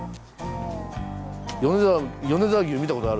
米沢牛見た事ある？